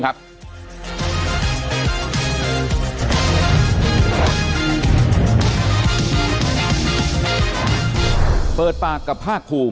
แต่คุณยายจะขอย้ายโรงเรียน